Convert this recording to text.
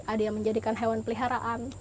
ada yang menjadikan hewan peliharaan